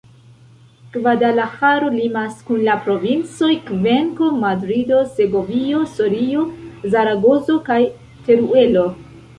Gvadalaĥaro limas kun la provincoj Kvenko, Madrido, Segovio, Sorio, Zaragozo kaj Teruelo.